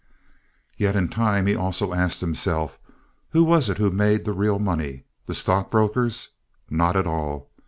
Yet in time he also asked himself, who was it who made the real money—the stock brokers? Not at all.